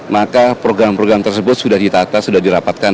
maka program program tersebut sudah ditata sudah dirapatkan